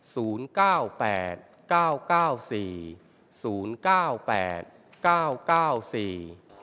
ศูนย์เก้าแปดเก้าเก้าสี่ศูนย์เก้าแปดเก้าเก้าสี่